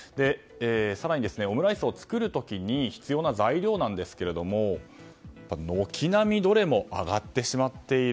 更に、オムライスを作る時に必要な材料なんですけれども軒並みどれも上がってしまっている。